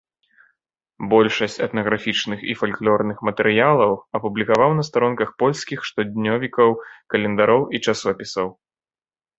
Большасць этнаграфічных і фальклорных матэрыялаў апублікаваў на старонках польскіх штотыднёвікаў, календароў і часопісаў.